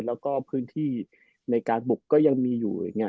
แล้วก็พื้นที่ในการบุกก็ยังมีอยู่อย่างนี้